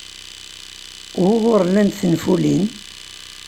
Wuɣur llant tenfulin?